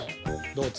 どう？